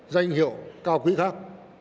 đánh hiệu cao quỹ khác